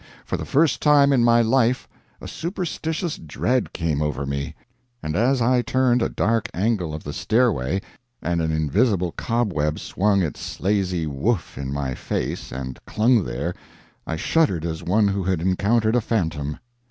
For the first time in my life a superstitious dread came over me; and as I turned a dark angle of the stairway and an invisible cobweb swung its slazy woof in my face and clung there, I shuddered as one who had encountered a phantom.